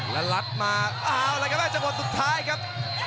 แล้วลัดมาอ้าวอะไรกันนะจังหวัดสุดท้ายครับ